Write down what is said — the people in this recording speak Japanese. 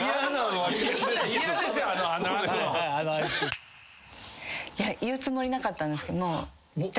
いや言うつもりなかったんですけど。